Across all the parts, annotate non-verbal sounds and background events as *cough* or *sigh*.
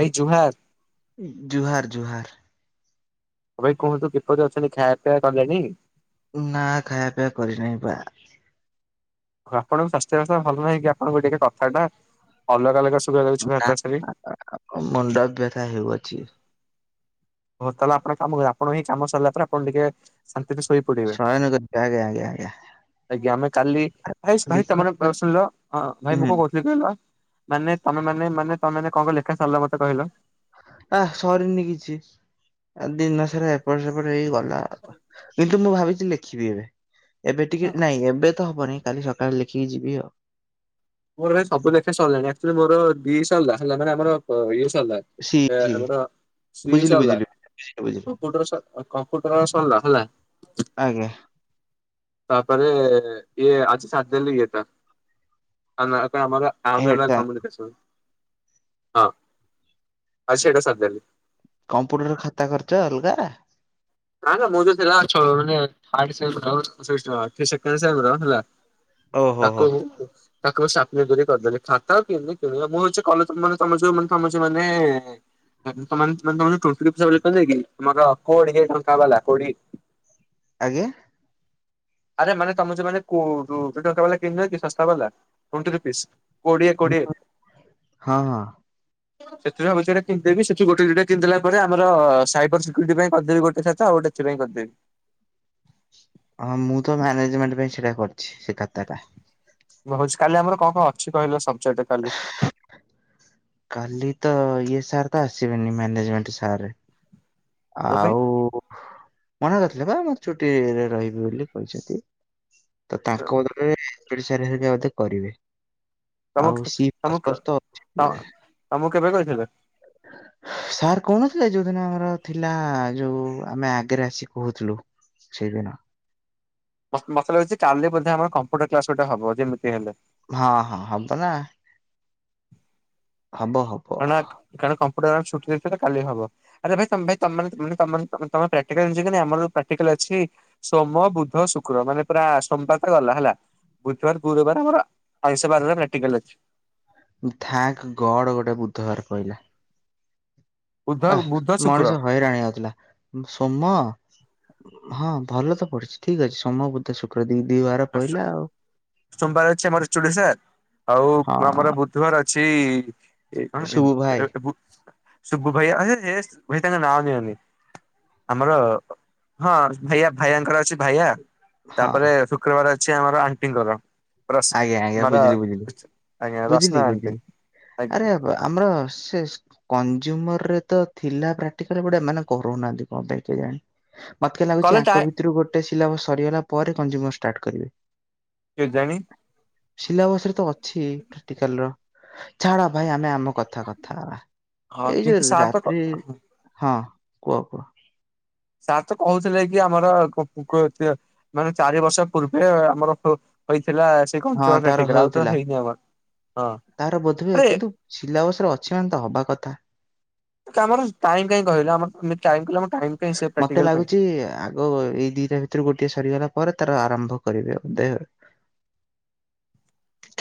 I ଜୁହାର୍ ଜୁହାର୍ ଜୁହାର୍। ଓ ଭାଇ କୁହନ୍ତୁ ଦୀପରେ ଅଛନ୍ତି ଖାଇଆ ପିଇବା କଲେଣି ନାଁ ଖାଇଆ ପିଆ କରିନାଇଁ ବା ଆ ଆପଣଙ୍କ୍ ସ୍ୱାସ୍ଥ୍ୟ ବସ୍ଥା ଭଲ ନାହିଁ କି ଆପଣଙ୍କୁ ଟିକେ କଥାଟା ଅଲଗା ଅଲଗା ସୁ *unintelligible* ମୁଣ୍ଡବ୍ୟଥା ହେଉଅଛି। ଓ ତାଲେ ଆପଣ କାମକୁ ଜାନ୍ ଆପଣ ହିଁ ଚାମ ସରିଲା ପରେ ଆପଣ ଟିକେ ଆନ୍ତିରେ ଶୋଇ ପଡ଼ିବେ, ଶୟନ କରି ଆଜ୍ଞା ଆଜ୍ଞା ଆଜ୍ଞା ଆଜ୍ଞା ଆମେ କାଲି ଭାଇସ୍ ଭାଇ ଲିଖ ତମର ପାର୍ଶଲ୍ଵ ଅଁ ଭାଇ ମୁଁ ହୁଁ କଣ୍ କଉଥିଲି କି ଆଁ ମାନେ ତମେ ମାନେ ମାନେ ତମେନେ କଣ କଁ ଲେଖା ସାର୍ଲ ମତେ କହିଲ। ଆ ସରିନି କିଛି ଆ ଦିନ ସରା ଏପଟ୍ ସେ *unintelligible* ଗଲା କିନ୍ତୁ ମୁଁ ଭାବିଥିଲ୍ ଲେଖିବି ଏବେ ଏବେ ଟିକେ ନାଇଁ ଏବେ ତ ହବନି କାଲି ସକାଳ୍ ଲେଖିକି ଯିବି ଆଉ। ମୋର ରେ ସବୁ ଲେଖା ସରିଲାଣି ଆକ୍ଚୁଲି ମୋର ଦି ସର୍ଲା ହେଲା ମାନେ ଆମର କ ଇ *unintelligible* ସି ଏ ସି ଆମର ଶ୍ରୀ ବୁଝିଲି ସରିଲା ବୁଝିଲି ବୁଝିଲି ବୁଝିଲି କମ୍ପୁଟର ସ କମ୍ପୁଟର ସରିଲା ହେଲା ଆଜ୍ଞା। ପାପାରେ ଇଏ ଆଜି ସାତ୍ ଦିନ୍ ୟେ ତା ଆନାଆ କାଇଁ ଆମରା ଆମନା ହେଟା କମୁନିକେସନ୍ ଆଁ ଆଇ ସେଇଟା ସାର୍ଦେଲି। କମ୍ପୁଟର୍ ଖାତା କରିଚ ଅଲଗା? ହାଁ ନାଁ ମୁଁ ଯ ଥିଲାଛ୍ ଅଛ ମାନେ *unintelligible* ହେଲା। ଓହୋ ହୋ ତାକୁ ବୁ ତାକୁ କରିଦେବେ ଖାତା *unintelligible* ତମେ ସବୁ ମାନେ ଏଁ ଲୋକମାନେ ତେମାନେ ତମର ଟୁଇଣ୍ଟି ହିସାବ ରେ କି ମୋର କୋଡ଼ିଏ ଟଙ୍କା ବାଲା କୋଡ଼ି ଆଜ୍ଞା। ଆରେ ମାନେ ତମେ ଯୋମାନେ କୋ ଡୋ ସେ ଟଙ୍କା ବାଲା କିିନ୍ ଦେବା କି ଶସ୍ତା ବାଲା ଟୁଇଣ୍ଟି ରୁପିସ୍ କୋଡିଏ କୋଡିଏ *unintelligible* ହଁ ଅଁ ସେତିରୁ ଆବଶ୍ୟଟା କିନ୍ ଦେବି ସେଥି ଗୋଟେ ଦିଟା କିନ୍ ଦେଲା ପରେ ଆମର ସାଇ ପର୍ସିକ୍ୟୁରିଟି ପାଇଁ କର୍ଦେବି ଗୋଟେ ଥର୍ ତା ଗୋଟେଥି ପାଇଁ କର୍ ଦେବି ଅଁ ମୁଁ ତ ମ୍ୟାନେଜ୍ମେଣ୍ଟ ପାଇଁ ଛିଡ଼ା କର୍ଛି ସେ ଖାତାଟା କହୁଛି କାଲି ଆମର କଣ୍ କଣ୍ ଅଛି କହିଲ ସବ୍ଜେଟ୍ କାଲି କାଲି ତ ଇଏ ସାର୍ ତ ଆସିବେନି ମ୍ୟାନେଜ୍ମେଣ୍ଟ୍ ସାର୍ ତୋ ପାଇଁ ଆଉ ମନା କର୍ ଥିଲେ ବା ମୁଁ ଛୁଟି ୟେ ରେ ରହିବୁ ବୋଲି ତ ତାଙ୍କ ବଦଳରେ ଓଡିଶାରେ ମଧ୍ୟ କରିବେ ତମୁକ୍ ଆଉ ସି ପ୍ଲସ୍ ତମୁକ୍ ପ୍ଲସ୍ ତ ଅଛି। ତ ତମୁକ୍ କେବେ କହିଥିଲେ ସାର୍ କଉନଥିଲେ ଯୋଉଦିନ ଆମର ଥିଲା ଯୋଉ ଆମେ ଆଗେରେ ଆସିି ପହଚିଲୁ ସେଦିନ ମସ୍ତ୍ ମତେ ଲାଗୁଛି କାଲି ବୋଧେ ଆମର କମ୍ପ୍ୟୁଟର୍ କ୍ଲାସ ଗୋଟେ ହବ ଯେମ୍ତି ହେଲେ ହଁ ହଁ ହବ ନାଁ କଣ ଆକ୍ କାଣା କାମ *unintelligible* ସ୍ଛି ସୋମ ବୁଦ୍ଧ ଶୁକ୍ର ମାନେ ପୁରା ସୋମ୍ପାତ୍ ରେ ଗଲା ହେଲା ବୁଧ୍ବାର ଗୁରୁବାରେ ମୋର ଆୟୁଷ ବାରରେ ମେଟିକାଲ୍ ଅଛି। ଥାକ୍ ଗଡ଼୍ ଗୋଟେ ବୁଧବାର ପଇଲା। ବୁଧ ଆଃ ବୁଧ ଶୁକ୍ର ମଣିଷ ହଇରାଣ ୟାଉଥିଲା ସୋମ ହଁ ଭଲ ତ ପଢ଼ୁଛି ଠିକ୍ ଅଛି ସୋମ ବୁଧ ଶୁକ୍ର ଦି ଦି ବାର ଆଶ୍ଚ ପଇଲା ଆଉ ସୋମବାର୍ ଅଛି ଆମର୍ ଚୁଡିଶାର୍ ଆଉ ହଁ ଆମର ବୁଧବାର ଅଛି ସେଇଇ କଣ ସୁବୁ ଭାଇ ଏସବୁ ଶୁଗ୍ୁ ଭାଇ ସେ ଭାଇ ତାଙ୍କ ନାଁ ନିଅନି *unintelligible* ଆମର ହଁ ଭାଇୟା ଭାଇଙ୍କର ଅଛି ଭାଇୟା ହଁ ତାପରେ ଶୁକ୍ରବାର ଅଛି ଆମର ଆଣ୍ଟିଙ୍କର। ଆଜ୍ଞା ଆଜ୍ଞା ମର ବୁଝିଲି ବୁଝିଲି ବୁଝିଲି ଭସନ ଆଣିନ୍ତି ବୁଝିଲି *unintelligible* ଆରେ ଆମର ସେ କଂଜୁମରରେ ତ ଥିଲା ପ୍ରାକ୍ଟିକାଲ ବଟ୍ ଏମାନେ କରଉନାହାନ୍ତି କଣ ପାଇଁ କେଜାଣି? ମତେ ଲାଗୁଛି କଲେ ଟା ଆଙ୍କ ଭିତରୁ ଗୋଟେ ସିଲାବସ ସରିଗଲା ପରେ କଂଜୁମର ଷ୍ଟାର୍ଟ କରିବେ। କେ ଜାଣି? ସିଲାବସ ରେ ତ ଅଛି ପ୍ରାକ୍ଟିକାଲ ର ଛାଡ ଭାଇ ଆମେ ଆମକୁ କଥା କଥା ହଁ ଏଇ କିନ୍ତୁ ଯୋଉ ସାର୍ ତ ରାତ୍ରି ହଁ କୁହ କୁହ ସାର୍ ତ କହୁଥିଲେ କି ଆମର କ - କ - ମାନେ ଚାରି ବର୍ଷ ପୂର୍ବେ ଆମର ଥିଲା ସେ ହଁ ତାର କଞ୍ଚରାଠଲା ଆଉ ତ ହେଉଥିଲା। ହେଇନି ଆମର ତାର ବୋଧହୁଏ ହଁରେ କିନ୍ତୁ *unintelligible* ସିଲାବସରେ ଅଛି ତ ହେବା କଥା। ଆମର ଟାଇମ କାଇହିଁ କହିଲା ଆମର ଟାଇମ କହିଲ ମତେତେ ଲାଗୁଛି ଆଗ ଏଇ ଦିଟା ଭିତରୁ ଗୋଟିଏ ସରିଗଲେ ପରେ ତାର ଆରମ୍ଭ କରିବେ ବୋଧେ।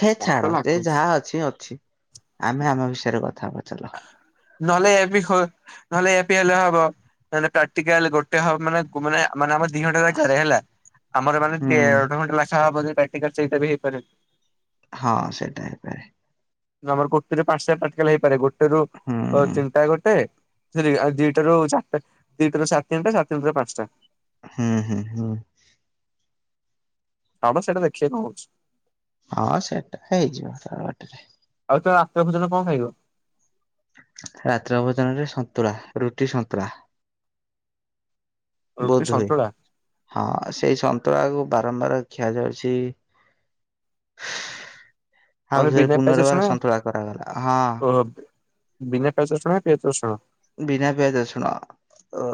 ହେ ମତେ ଛାଡ ସେ ଲାଗୁଛି ଯାହା ଅଛି ଅଛି ଆମେ ଆମ ବିଷୟରେ କଥାହେବା। ନହେଲେ ଏପି ହେବ ନହେଲେ ଏପି ହେଲେ ହବ ମାନେ ପ୍ରାକ୍ଟିକାଲ ଗୋଟେ ହ ମାନେ- ମାନେ -ମାନେମ ଦି ଘଣ୍ଟାରେ ଥରେ ହେଲା ଆମର ମାନେ ହୁଁ ଅଧଘଣ୍ଟା ଲେଖା ହବନା ସେଇଟା ବି ହେଇପାରେ। ହଁ ସେଟା ହେଇପାରେ। ଆମର ଗୋଟରେ ପାଞ୍ଚ ପ୍ରାକ୍ଟିକାଲ ହେଇପାରେ ଗୋଟେରୁ ହୁଁ ଚିନ୍ତା ଗୋଟେ ସେ ଦିଟାରୁ ଚାରିଟା ଦିଟାରୁ ସାଢ଼େ ତିନିଟା - ସାଢ଼େ ତିନିଟାରୁ ପାଞ୍ଚଟା। ହୁଁ ହୁଁ ହୁଁ। ହଁ ବା ସେଇଟା ଦେଖିବା କଣ ହଉଛି। ହଁ ସେଟା ହେଇଯିବ ତା ବାଟରେ। ଆଉ ତ ଆତତା ଭୋଜନ କଣ ଖାଇବ? ରାତ୍ର ଅବଦାନାରେ ସନ୍ତଳା ରୁଟି ସନ୍ତଳା। ରୁଟି ବୋଧହୁଏ ସନ୍ତୁଳା ହଁ ସେଇ ସନ୍ତଳାକୁ ବାରମ୍ବାର ଖିଆ ଯାଉଛି ମାନେ ହାଉସରେ ବିନା ପିଆଜ ରସୁଣ ପୁନର୍ବାର ସନ୍ତୁଳା କରାଗଲା ହଁ। ଓହୋ ବିନା ପିଆଜ ରସୁଣ ନା ପିଆଜ ରସୁଣ ବିନା ପିଆଜରସୁଣ ଅ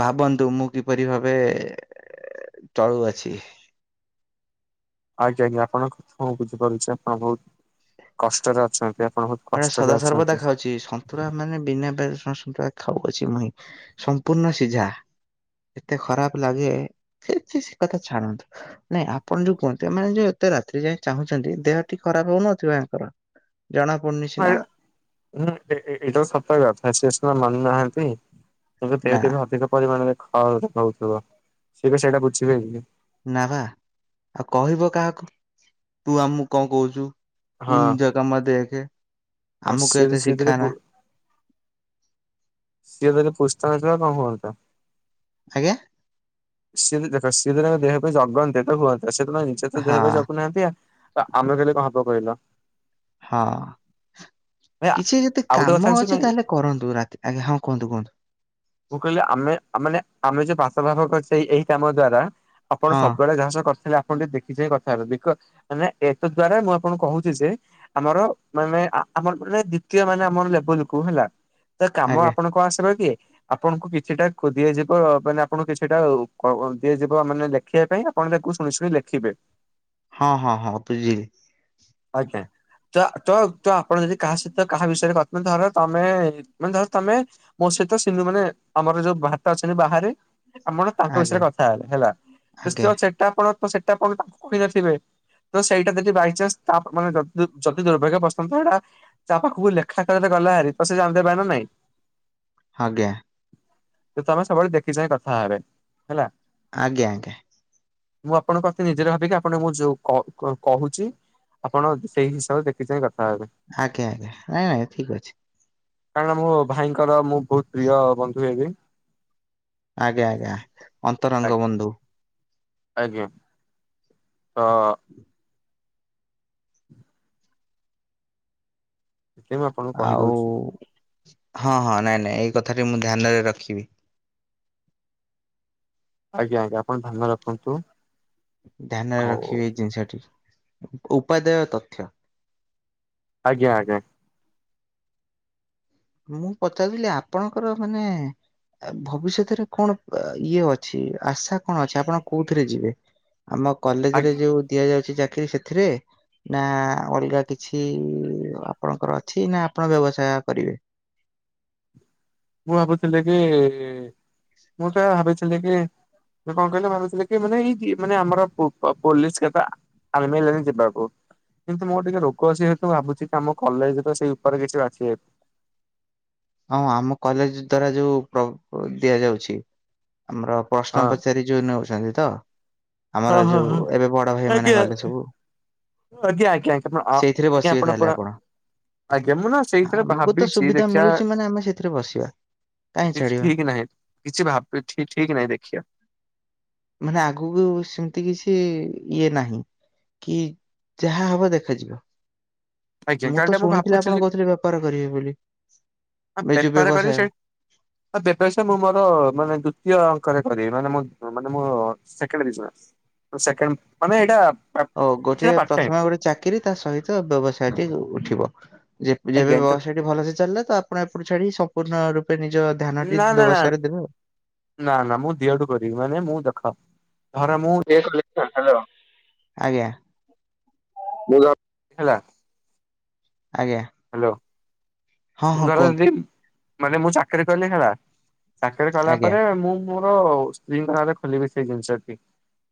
ଭାବନ୍ତୁ ମୁଁ କିପରି ଭାବେ ଚଳୁଅଛି। ଆଜ୍ଞା ଆଜ୍ଞା ଆପଣଙ୍କ କଥା ମୁଁ ବୁଝିପାରୁଛି ଆପଣ ବହୁତ କଷ୍ଟରେ ଅଛନ୍ତି। ଆପଣ ବହୁତ ଏଗୁଡ଼ା କଷ୍ଟରେ ସଦାସର୍ବଦା ଅଛନ୍ତି। ଖାଉଛି ସନ୍ତୁଳା ମାନେ ବିନା ପିଆଜ ରସୁଣ ଖାଉ ଅଛି ମୁଇଁ ସମ୍ପୂର୍ଣ୍ଣ ସିଝା। ଏତେ ଖରାପ ଲାଗେ ସେ ସେ କଥା ଛାଣନ୍ତୁ ନାଇଁ ଆପଣ ଯୋଉ କୁହନ୍ତୁ ମାନେ ଯୋଉ ଏତେ ରାତ୍ରି ଯାଇ ଚାହୁଁଛନ୍ତି ଦେହ ଟିକେ ଖରାପ ହଉନଥିବ ୟାଙ୍କର ଜଣା ପଡୁନି ହ ସିନା ହଁ ଏଟା ସତ କଥା ସେ ସିନା ମାନୁନାହାଁନ୍ତି। ଦେହଟି ନା ବି ଅଧିକ ପରିମାଣରେ ଖରାପ ହେଉଥିବ ସେ ସେଇଟା ବୁଝିବେନି। ନାବା ଆଉ କହିବ କାହାକୁ ତୁ ଆମକୁ କଣ କହୁଛୁ। ହଁ ତୁ ନିଜ କାମ ଦେଖେ। ହଁ ଆମକୁ ସିଏ ଯଦି ଏତେ ସିଏ ଯଦି ପୁ ଶିଖାନା। ସିଏ ତାହଲେ ପୁସ୍ତାଥିଲା କଣ କରତା *unintelligible* ଆଜ୍ଞା। ସିଏ ଦେଖ ସିଏଦିନ ଦେହ ପାଇଁ ଜଗନ୍ତି ତ ହୁଅନ୍ତା ସେଦିନ ନିଜେ ତ ଦେହ ହଁ ପାଇଁ ଜଗୁନାହାଁନ୍ତି ଆଉ ତ ଆମେ କହିଲେ କଣ ହବ କହିଲ। ହଁ। ଭାଇ କିଛି ଯଦି ଆଉ ଗୋଟେ କଥା କାମ ଜାଣିଛ ଅଛି ନା ତାହେଲେ କରନ୍ତୁ। ରାତି ଆଜ୍ଞା ହଁ, କୁହନ୍ତୁ, କୁହନ୍ତୁ। ମୁଁ କହିଲେ ଆମେ। ଆାମେ ମାନେ। *unintelligible* ଆପଣ ହଁ ଟିକେ ଦେଖି କଥା ହେବେ। ମାନେ ଏତତ୍ ଦ୍ଵାରା ମୁଁ ଆପଣଙ୍କୁ କହୁଛି ଯେ, ଆମର ମାନେ। ଆମର ମାନେ, ଦ୍ଵିତୀୟ ମାନେ, ଆମର ଲେବଲ କୁ ହେଲା। ତ କାମ ଆଜ୍ଞା। ଆପଣଙ୍କ ଆସିବ କି, ଆପଣଙ୍କୁ କିଛିଟା ଦିଆଯିବ ମାନେ ଆପଣଙ୍କୁ କିଛିଟା। ଦିଆଯିବ ମାନେ ଲେଖିବା ପାଇଁ। ଆପଣ ତାକୁ ଶୁଣି, ଶୁଣି ଲେଖିବେ। ହଁ, ହଁ, ହଁ, ବୁଝିଲି। ଆଜ୍ଞା। ତ, ତ, ତ, ଆପଣ ଯଦି କାହା ସହିତ କାହା ବିଷୟରେ କଥା ଧର ତମେ ମାନେ ଧର ତମେ ମୋ। *unintelligible* ତାଙ୍କ ଆଜ୍ଞା ବିଷୟରେ କଥା ହେଲେ ହେଲା। ଆଜ୍ଞା ସେଟା ଆପଣ, ସେଟା ଆପଣ ତ କହିନଥିବେ। ତ ସେଇଟା ଯଦି ବାଇଚନ୍ସ। ତ ଯଦି ଦୁର୍ଭାଗ୍ୟ ବର୍ସନ୍ତ ସେଇଟା ତା ପାଖକୁ ଲେଖା ଗଲା *unintelligible* ଆଜ୍ଞା। ତ ତମେ ସବୁବେଳେ ଦେଖି ଚାହିଁ କଥା ହେବେ। ହେଲା। ଆଜ୍ଞା, ଆଜ୍ଞା। ମୁଁ ଆପଣଙ୍କ କଥା ନିଜର ଭାବିକି ଆପଣଙ୍କୁ ମୁଁ ଯୋଉ କହୁଛି। ଆପଣ ସେଇ ହିସାବରେ ଦେଖି ଚାହିଁ କଥା ହେବେ। ଆଜ୍ଞା, ଆଜ୍ଞା। ‌ନାଇଁ, ନାଇଁ। ଠିକ ଅଛି। କାରଣ ମୋ ଭାଇଙ୍କର ମୁଁ ବହୁତ ପ୍ରିୟ ବନ୍ଧୁ ହେବି। ଆଜ୍ଞା, ଆଜ୍ଞା। ଅନ୍ତରଙ୍ଗ ବନ୍ଧୁ। ଆଜ୍ଞା। ହଁ। ଏଥି ମୁଁ ଆପଣଙ୍କୁ ଆଉ କହିଦଉଛି। ହଁ, ହଁ। ନାଇଁ, ନାଇଁ। ଏଇ କଥା ଟି ମୁଁ ଧ୍ୟାନରେ ରଖିବି। ଆଜ୍ଞା, ଆଜ୍ଞା। ଆପଣ ଧ୍ୟାନ ରଖନ୍ତୁ। ଧ୍ୟାନରେ ଆଉ ରଖିବି ଏଇ ଜିନିଷଟି। ଉପାଦେୟ ତଥ୍ୟ। ଆଜ୍ଞା, ଆଜ୍ଞା। ମୁଁ, ପଚାରୁଥିଲି ଆପଣଙ୍କର ମାନେ ଭବିଷ୍ୟତରେ କଣ ଇଏ ଅଛି। ଆଶା କଣ ଅଛି। ଆପଣ କୋଉଥିରେ ଯିବେ? ଆମ କଲେଜ ରେ ଆଜ୍ଞା ଯୋଉ ଦିଆଯାଉଛି ଚାକିରିୀ ସେଥିରେ? ନା ଅଲଗା କିଛି ଆପଣଙ୍କର ଅଛି? ନା ଆପଣ ବ୍ୟବସାୟ କରିବେ? ମୁଁ ଭାବୁଥିଲି କି? ମୁଁ ତ ଭାବିଥିଲି କି? ମୁଁ କଣ କହିଲା ଭାବୁଥିଲିକି ପୋଲିସ। *inaudible* କିନ୍ତୁ ମୋର ଟିକେ ରୋଗ ଅଛି ଯେହେତୁ। ଭାବୁଛି କି ଆମ କଲେଜ ତ ସେଇ ଉପରେ କିଛି ବାଛି ନେବି। ହଁ, ଆମ କଲେଜ ଦ୍ଵାରା ଯୋଉ ଦିଆଯାଉଛି। ଆମର ହଁ ପ୍ରଶ୍ନ ପଚାରି ଯୋଉ ନେଉଛନ୍ତି ତ! ହଁ ଆମର ହଁ ଯୋଉ ହଁ ଏବେ ବଡ ଭାଇ ଆଜ୍ଞା ମାନେ ଗଲେ ସବୁ। ଆଜ୍ଞା, ଆଜ୍ଞା, ସେଇଥିରେ ଆଜ୍ଞା, ବସିବେ ଆପଣ ତାହେଲେ ପୁରା। ଆଜ୍ଞା, ମୁଁ ନା ସେଇଥିରେ ଆମକୁ ତ ଭାବିଛି ସୁବିଧା ଦେଖିବା। ମିଳୁଛି ମାନେ ଆମେ ସେଥିରେ ବସିବା। କାହିଁ କିଛି ଛାଡିବା। ଠିକ୍ ନାହିଁ। କିଛି ଠିକ୍ ନାହିଁ, ଦେଖିିବା। ମାନେ ଆଗକୁ ସେମିତି କିଛି ଇଏ ନାହିଁ। କି, ଯାହା ହବ ଦେଖାଯିବ। ଆଜ୍ଞା ମୁଁ କାହିଁକି ତ ନା ଶୁଣିଥିଲି, ଭାବୁଥିଲି ଆପଣ କହୁଥିଲେ ବେପାର କରିବେ ବୋଲି। ଏ ଯୋଉ ବେପାର କରିବି। ବ୍ୟବସାୟ ସେଇ ବେପାର। ସେ ମୁଁ, ମୋର ମାନେ ଦ୍ଵିତୀୟ ଅଙ୍କରେ। କରିବି ମାନେ ଏଇଟା ମୋର ସେକେଇଣ୍ଡ ବିଚୁନେସ। ଓ ଗୋଟେ, ପ୍ରଥମେ ଗୋଟେ ଚାକିରି। ତା ସହିତ ବ୍ୟବସାୟଟି ଉଠିବ। ଯେବେ ଆଜ୍ଞା ତ ବ୍ୟବସାୟ ଟି ଭଲସେ ଚାଲିଲ ତ ଆପଣ ଏପଟୁ ଛାଡିି ସମ୍ପୂର୍ଣ୍ଣ। ନିଜ ଧ୍ୟାନଟି ନା ନା ନା ବ୍ୟବସାୟରେ ଦେବେ ଆଉ। ନା ନା ମୁଁ ଦିହଠୁ କରିବି ମାନେ ମୁଁ ଦେଖା ଧରେ ମୁଁ କଲ *unintelligible* ଆଜ୍ଞା। ବଲା ହେଲା। ଆଜ୍ଞା। ହ୍ୟାଲୋ ହଁ ମୁଁ ହଁ କୁହନ୍ତୁ ଧରି ମାନେ ମୁଁ ଚାକିରି କଲି ହେଲା। ଚାକିରି କଲା ଆଜ୍ଞା ପରେ ମୁଁ ମୋର ସ୍ତ୍ରୀଙ୍କ ନାରେ ଖୋଲିବି ସେଇ ଜିନିଷଟି।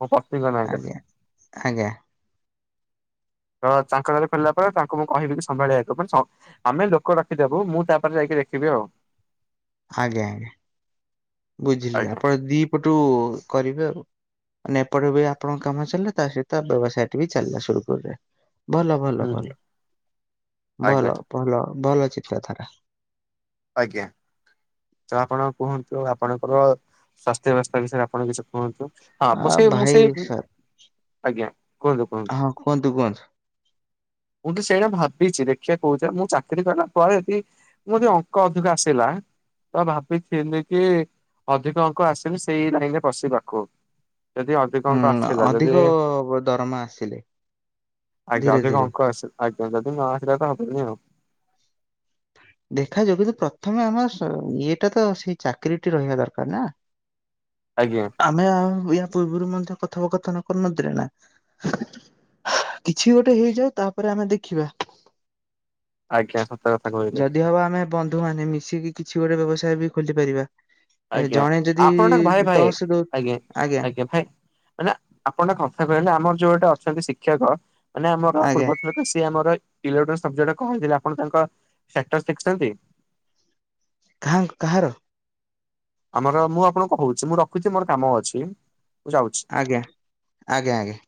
ମୋ ପତ୍ନୀଙ୍କ ନାଁରେ ଆଜ୍ଞା ଆଜ୍ଞା। ତ ତାଙ୍କଡରେ ଫେରିଲା ପରେ ତାଙ୍କୁ ମୁଁ କହିବି ସମ୍ଭାଳିିବା ଯଥିଲି। ଲୋକ ଆମେ ଲୋକ ରଖିଦବୁ ମୁଁ ତାପରେ ଯାଇକି ଦେଖିବି ଆଉ। ଆଜ୍ଞା ଆଜ୍ଞା। ବୁଝିଲି ଆଜ୍ଞା ଆପଣ ଦି ପଟୁ କରିବେ ଆଉ। ନ ଏପଟେ ବି ଆପଣଙ୍କ କାମ ଚାଲିଲା ତା ସହିତ ବ୍ୟବସାୟ ବି ଚାଲିଲା ସୁରୁପରୁରେ। ଭଲ ଭଲ ହୁଁ ହୁଁ ଭଲ ଆଜ୍ଞା ଭଲ ଭଲ ଭଲ ଚିନ୍ତା ଧାରା। ଆଜ୍ଞା। ତ ଆପଣ କୁହନ୍ତୁ ଆପଣଙ୍କର ସ୍୍ୱାସ୍ଥ୍ୟ ବ୍ୟବସ୍ଥା ବିଷୟରେ ଆପଣ କିଛି। କୁହନ୍ତୁ ହଁ ମୁଁ ଆ ସେ ମୁଁ ଭାଇ ସେଇ। ସାର୍ ଆଜ୍ଞା କୁହନ୍ତୁ କୁହନ୍ତୁ ହଁ କୁହନ୍ତୁ କୁହନ୍ତୁ। ମୁଁ ତ ସେଇଟା ଭାବିଛି ଦେଖିବା କହୁଛ ମୁଁ ଚାକିରି କଲା ପରେ ଯଦି ମୋର ଯ ଅଙ୍କ ଅଧିକ ଆସିଲା। ତ ଭାବିଛିମ କି ଅଧିକ ଅଙ୍କ ଆସନି ସେଇ ଲାଇନ ରେ ବଶିବାକୁ। ଯଦି ଅଧିକ ଅଙ୍କ ହୁଁ ଆସିଥିଲା ଅଧିକ ଯଦି ଦରମା ଆସିଲେ ଆଜ୍ଞା ଧୀରେ ଧୀରେ ଅଧିକ। ଆସି ଆଜ୍ଞା ଯଦି ନ ଆସିଲା ତ ଦେଖାଯାଉ କିନ୍ତୁ ପ୍ରଥମେ ଆମର ଇଏଟା ତ ସେଇ ଚାକିରିୀ ଟି ରହିବା ଦରକାର ନା। ଆଜ୍ଞା ଆମେ ଆ ଇ। ପୂର୍ବରୁ ମଧ୍ୟ କଥାବ କଥନ କରିନଥିଲେ ନା। କିଛି ଗୋଟେ ହେଇଯାଉ ତାପରେ ଆମେ ଦେଖିବା। ଆଜ୍ଞା ସ। ଯଦି ହବ ଆମେ ବନ୍ଧୁ ମାନେ ମିଶିକି କିଛି ଗୋଟେ ବ୍ୟବସାୟ ବି ଖୋଲି ପାରିବା। ଏ ଆଜ୍ଞା ଜଣେ ଯଦି ଆପଣ ଟା ଭାଇ ଭାଇ ଦଶ ଦଉ ଆଜ୍ଞା ଆଜ୍ଞା ଭାଇ। ମାନେ ଆପଣ ଟା କଥା କହିଲେ ଆମର ଯୋଉ ଗୋଟେ ଅଛନ୍ତି। ଶିକ୍ଷକ ମାନେ ଆମର ଆଜ୍ଞା ପୂର୍ବ ଲୋକ ସିଏ ଆମର ଇଟ କହିଥିଲେ ଆପଣ ତାଙ୍କ ସେକ୍ଟର ଶିଖଛନ୍ତି କା କାହାର? ଆମର ମୁଁ ଆପଣଙ୍କୁ କହୁଛି ମୁଁ ରଖୁଛି ମୋର କାମ ଅଛି। ଯାଉଛି। ଆଜ୍ଞା ଆଜ୍ଞା ଆଜ୍ଞା